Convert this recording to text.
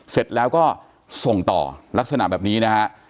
เสร็จแล้วก็ส่งต่อลักษณะแบบนี้นะฮะ